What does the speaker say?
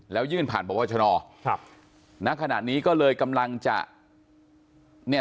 แล้วยื่นผ่านบวชนครับณขณะนี้ก็เลยกำลังจะเนี่ย